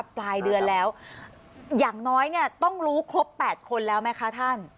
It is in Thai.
ปลายเดือนแล้วอย่างน้อยเนี่ยต้องรู้ครบ๘คนแล้วไหมคะท่าน